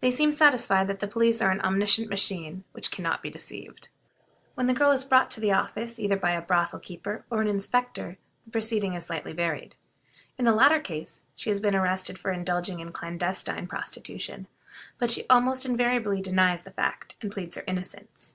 They seem satisfied that the police are an omniscient machine which can not be deceived. When the girl is brought to the office either by a brothel keeper or an inspector, the proceeding is slightly varied. In the latter case she has been arrested for indulging in clandestine prostitution, but she almost invariably denies the fact, and pleads her innocence.